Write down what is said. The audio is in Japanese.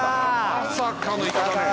まさかのイカだね。